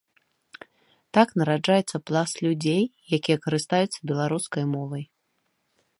Так нараджаецца пласт людзей, якія карыстаюцца беларускай мовай.